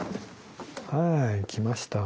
はい来ました。